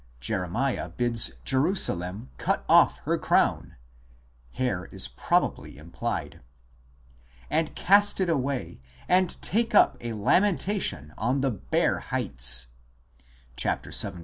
Jeremiah bids Jerusalem cut off her crown (hair is probably implied) " and cast it away, and take up a lamentation on the bare heights " (vii.